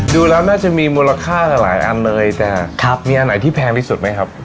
ดูแล้วน่าจะมีมูลค่าหลายอันเลยแต่มีอันไหนที่แพงที่สุดไหมครับ